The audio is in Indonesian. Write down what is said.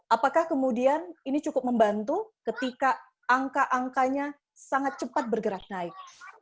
apakah kemudian ini cukup membantu ketika angka angkanya sangat cepat bergerak naik